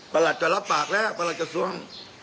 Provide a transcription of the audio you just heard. ประหลัดก็รับปากแล้วประหลัดก็สวม